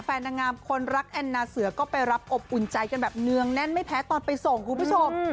นางงามคนรักแอนนาเสือก็ไปรับอบอุ่นใจกันแบบเนืองแน่นไม่แพ้ตอนไปส่งคุณผู้ชม